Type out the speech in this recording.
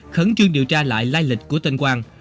khấn chương điều tra lại lai lịch của tên quang